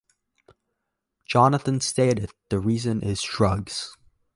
Jonathan stated The reason is drugs.